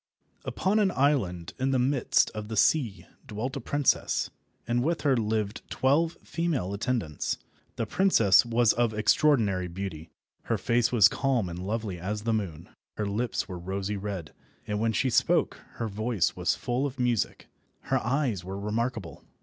UPON an island in the midst of the sea dwelt a princess, and with her lived twelve female attendants. The princess was of extraordinary beauty. Her face was calm and lovely as the moon, her lips were rosy red, and when she spoke her voice was full of music. Her eyes were remarkable.